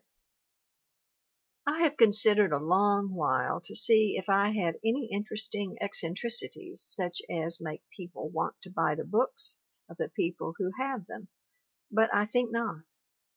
MARY AUSTIN 167 I have considered a long while, to see if I have any interesting excentricities such as make people want to buy the books of the people who have them, but I think not.